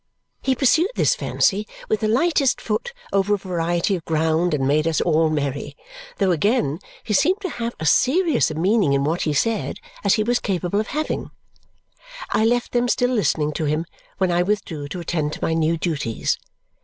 He pursued this fancy with the lightest foot over a variety of ground and made us all merry, though again he seemed to have as serious a meaning in what he said as he was capable of having. I left them still listening to him when I withdrew to attend to my new duties.